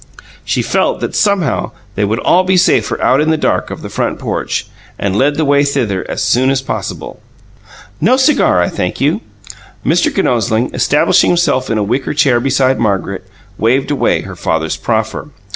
She felt that somehow they would all be safer out in the dark of the front porch, and led the way thither as soon as possible. "No cigar, I thank you." Mr. Kinosling, establishing himself in a wicker chair beside Margaret, waved away her father's proffer.